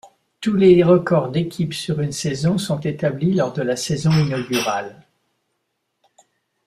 Tous les records d'équipe sur une saison sont établis lors de la saison inaugurale.